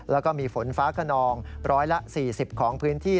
แล้วก็มีฝนฟ้าขนอง๑๔๐ของพื้นที่